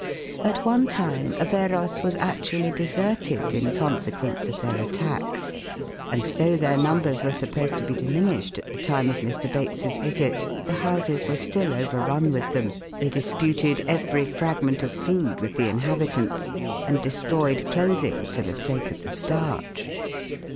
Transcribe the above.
At one time Aveyros was actually deserted in consequence of their attacks, and though their numbers were supposed to be diminished at the time of Mr. Bates's visit, the houses were still overrun with them, they disputed every fragment of food with the inhabitants, and destroyed clothing for the sake of the starch.